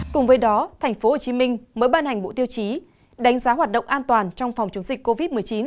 cùng với đó tp hcm mới ban hành bộ tiêu chí đánh giá hoạt động an toàn trong phòng chống dịch covid một mươi chín